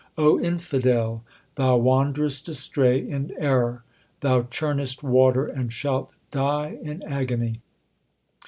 O infidel, thou wanderest astray in error : Thou churnest water and shalt die in agony.